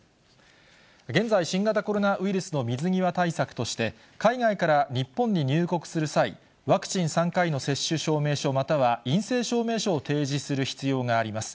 現在、新型コロナウイルスの水際対策として、海外から日本に入国する際、ワクチン３回の接種証明書、または陰性証明書を提示する必要があります。